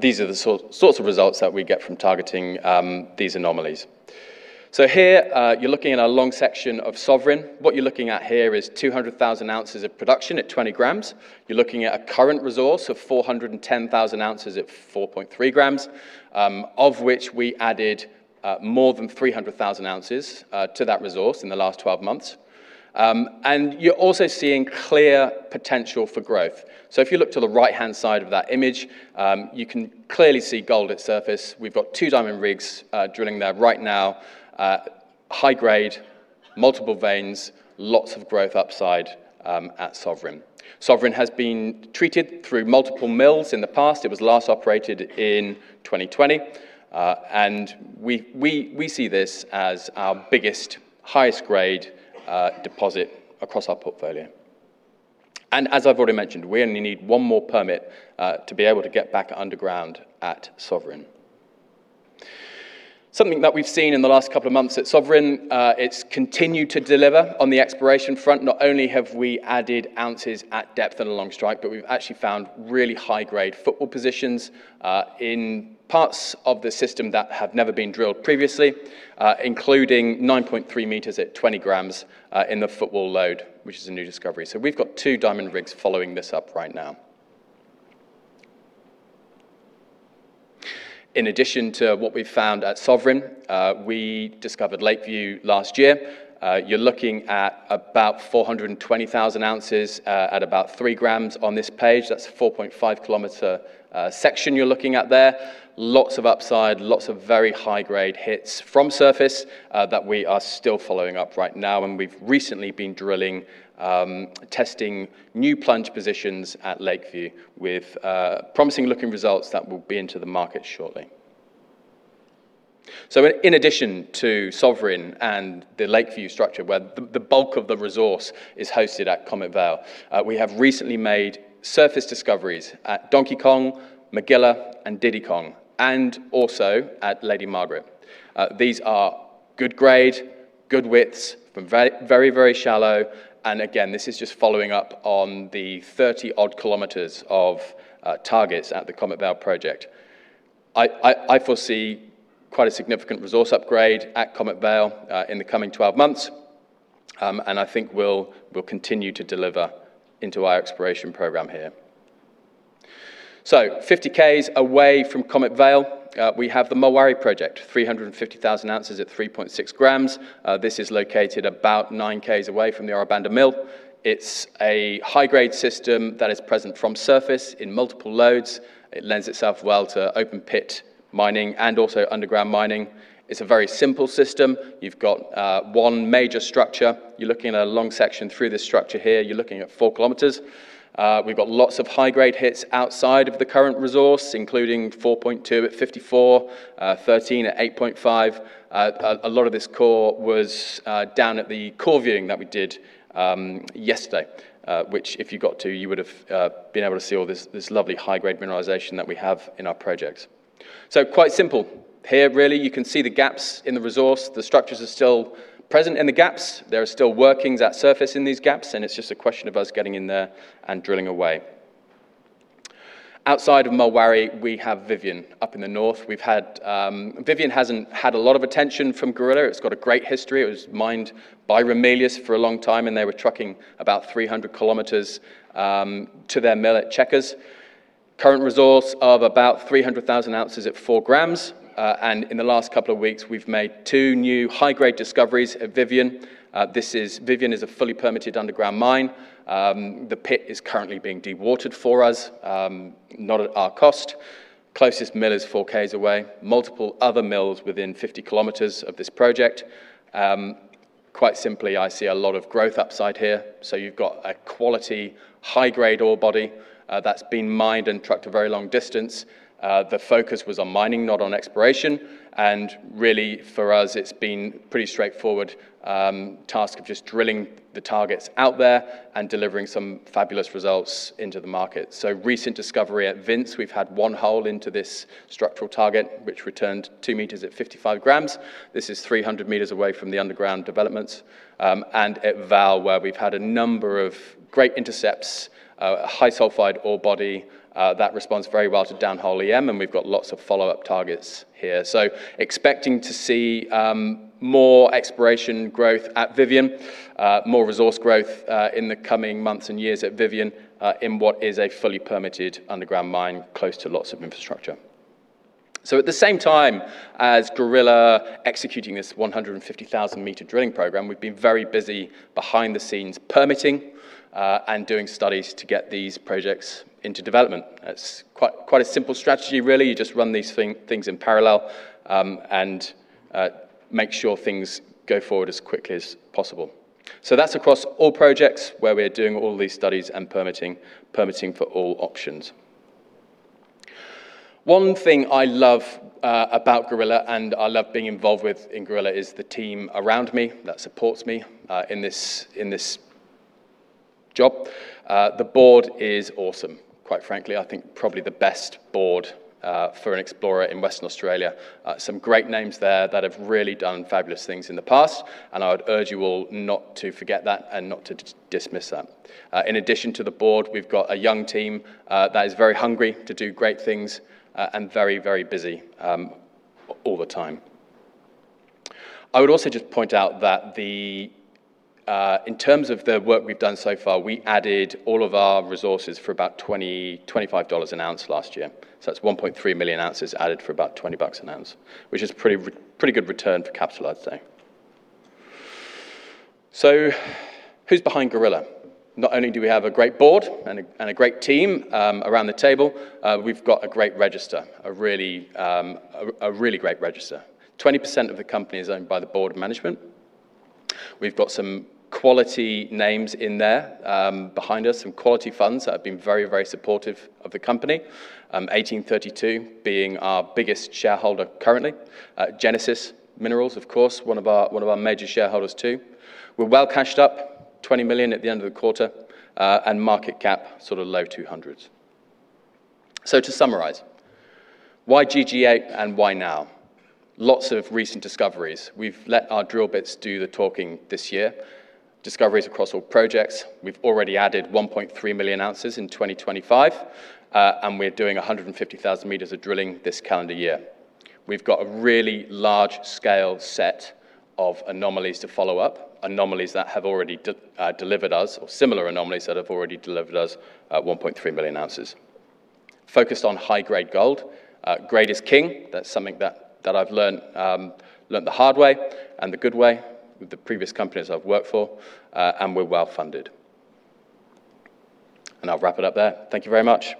These are the sorts of results that we get from targeting these anomalies. Here, you're looking at a long section of Sovereign. What you're looking at here is 200,000 oz of production at 20 g. You're looking at a current resource of 410,000 oz at 4.3 g, of which we added more than 300,000 oz to that resource in the last 12 months. You're also seeing clear potential for growth. If you look to the right-hand side of that image, you can clearly see gold at surface. We've got two diamond rigs drilling there right now. High grade, multiple veins, lots of growth upside at Sovereign. Sovereign has been treated through multiple mills in the past. It was last operated in 2020. We see this as our biggest, highest grade deposit across our portfolio. As I've already mentioned, we only need one more permit to be able to get back underground at Sovereign. Something that we've seen in the last couple of months at Sovereign, it's continued to deliver on the exploration front. Not only have we added ounces at depth and along strike, but we've actually found really high-grade footwall positions, in parts of the system that have never been drilled previously, including 9.3 m at 20 g in the footwall lode, which is a new discovery. We've got two diamond rigs following this up right now. In addition to what we've found at Sovereign, we discovered Lakeview last year. You're looking at about 420,000 oz at about 3 g on this page. That's a 4.5-km section you're looking at there. Lots of upside, lots of very high-grade hits from surface that we are still following up right now, and we've recently been drilling, testing new plunge positions at Lakeview with promising looking results that will be into the market shortly. In addition to Sovereign and the Lakeview structure where the bulk of the resource is hosted at Comet Vale, we have recently made surface discoveries at Donkey Kong, Magilla and Diddy Kong and also at Lady Margaret. These are good grade, good widths, from very, very shallow, and again, this is just following up on the 30-odd km of targets at the Comet Vale project. I foresee quite a significant resource upgrade at Comet Vale in the coming 12 months, and I think we'll continue to deliver into our exploration program here. 50Ks away from Comet Vale, we have the Mulwarrie project, 350,000 oz at 3.6 g. This is located about 9Ks away from the Ora Banda mill. It's a high-grade system that is present from surface in multiple lodes. It lends itself well to open pit mining and also underground mining. It's a very simple system. You've got one major structure. You're looking at a long section through this structure here. You're looking at 4 km. We've got lots of high-grade hits outside of the current resource, including 4.2 at 54, 13 at 8.5. A lot of this core was down at the core viewing that we did yesterday, which if you got to, you would have been able to see all this lovely high-grade mineralization that we have in our projects. Quite simple. Here really, you can see the gaps in the resource. The structures are still present in the gaps. There are still workings at surface in these gaps, and it's just a question of us getting in there and drilling away. Outside of Mulwarrie, we have Vivien up in the north. Vivien hasn't had a lot of attention from Gorilla. It's got a great history. It was mined by Ramelius for a long time, and they were trucking about 300 km to their mill at Checkers. Current resource of about 300,000 oz at 4 g. And in the last couple of weeks, we've made two new high-grade discoveries at Vivien. Vivien is a fully permitted underground mine. The pit is currently being dewatered for us, not at our cost. Closest mill is 4Ks away. Multiple other mills within 50 km of this project. Quite simply, I see a lot of growth upside here. You've got a quality, high-grade ore body that's been mined and trucked a very long distance. The focus was on mining, not on exploration. And really for us, it's been pretty straightforward task of just drilling the targets out there and delivering some fabulous results into the market. Recent discovery at Vince, we've had one hole into this structural target, which returned two meters at 55 g. This is 300 m away from the underground developments. And at Val, where we've had a number of great intercepts, a high sulfide ore body that responds very well to downhole EM, and we've got lots of follow-up targets here. Expecting to see more exploration growth at Vivien, more resource growth in the coming months and years at Vivien, in what is a fully permitted underground mine close to lots of infrastructure. At the same time as Gorilla executing this 150,000-m drilling program, we've been very busy behind the scenes permitting, and doing studies to get these projects into development. It's quite a simple strategy really. You just run these things in parallel, and make sure things go forward as quickly as possible. That's across all projects where we're doing all these studies and permitting for all options. One thing I love about Gorilla, and I love being involved with in Gorilla, is the team around me that supports me in this job. The board is awesome. Quite frankly, I think probably the best board for an explorer in Western Australia. Some great names there that have really done fabulous things in the past, and I would urge you all not to forget that and not to dismiss that. In addition to the board, we've got a young team that is very hungry to do great things and very, very busy all the time. I would also just point out that in terms of the work we've done so far, we added all of our resources for about 25 dollars an oz last year. That's 1.3 million ounces added for about 20 bucks an oz, which is pretty good return for capital, I'd say. Who's behind Gorilla? Not only do we have a great board and a great team around the table, we've got a great register. A really great register. 20% of the company is owned by the board of management. We've got some quality names in there behind us, some quality funds that have been very, very supportive of the company. 1832 being our biggest shareholder currently. Genesis Minerals, of course, one of our major shareholders too. We're well cashed up, 20 million at the end of the quarter. Market cap sort of low AUD 200s. To summarize, why GG8 and why now? Lots of recent discoveries. We've let our drill bits do the talking this year. Discoveries across all projects. We've already added 1.3 million ounces in 2025. We're doing 150,000 m of drilling this calendar year. We've got a really large-scale set of anomalies to follow up, anomalies that have already delivered us or similar anomalies that have already delivered us 1.3 million ounces. Focused on high-grade gold. Grade is king. That's something that I've learned the hard way and the good way with the previous companies I've worked for. We're well-funded. I'll wrap it up there. Thank you very much.